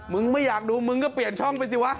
มึงไม่อยากดูมึงก็เปลี่ยนช่องไปสิวะ